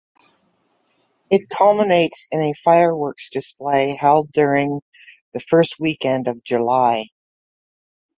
It culminates in a fireworks display held during the first weekend each July.